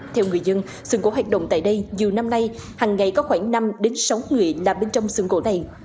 theo người dân sưởng gỗ hoạt động tại đây dù năm nay hằng ngày có khoảng năm sáu người là bên trong sưởng gỗ này